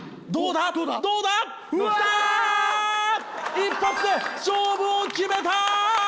１発で勝負を決めた！